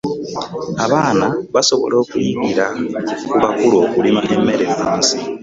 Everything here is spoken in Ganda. Abaana basobola okuyigira ku bakulu okulima emmere ennansi.